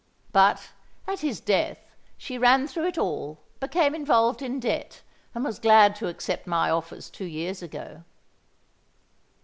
But, at his death, she ran through it all, became involved in debt, and was glad to accept my offers two years ago."